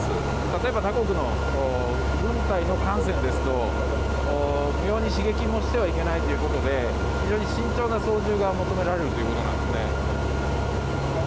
例えば、他国の軍隊の艦船ですと不要に刺激をしてはいけないということで非常に慎重な操縦が求められるということです。